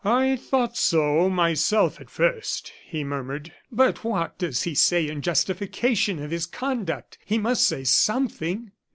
"I thought so myself, at first," he murmured. "But what does he say in justification of his conduct? He must say something."